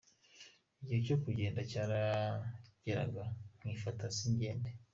Igihe cyo kugenda cyarageraga nkifata singende.